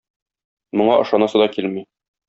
Моңа ышанасы да килми.